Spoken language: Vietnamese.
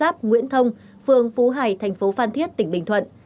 phương phú hải thành phố phan thiết tỉnh bình thuận